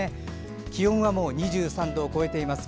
気温はもう２３度を超えています。